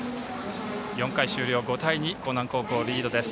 ４回終了、５対２と興南高校、リードです。